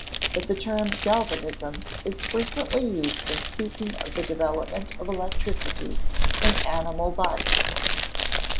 But the term Galvanism is frequently used when speaking of the development of electricity in animal bodies.